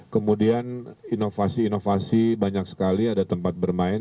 kemudian inovasi inovasi banyak sekali ada tempat bermain